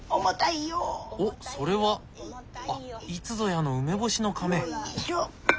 おっそれはあっいつぞやの梅干しのカメ。